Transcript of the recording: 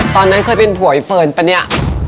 ตอนนั้นเคยเป็นผัวไอเฟิร์นปะเนี่ย